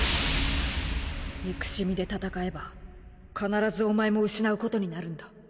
憎しみで闘えば必ずお前も失うことになるんだ。